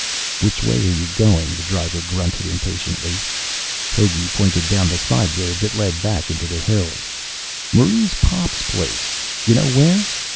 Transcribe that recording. "Which way are you going?" the driver grunted impatiently. Hogey pointed down the side road that led back into the hills. "Marie's pop's place. You know where?